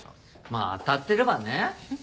まぁ当たってればね。